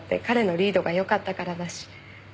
彼のリードがよかったからだし。